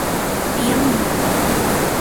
بیرون میرود